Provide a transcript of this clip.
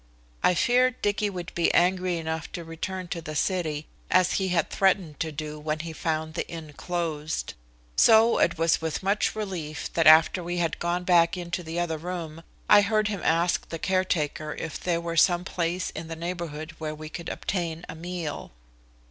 I feared Dicky would be angry enough to return to the city, as he had threatened to do when he found the inn closed. So it was with much relief that after we had gone back into the other room I heard him ask the caretaker if there were some place in the neighborhood where we could obtain a meal.